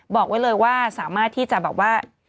บอกไว้เลยว่าสามารถที่จะแบบว่า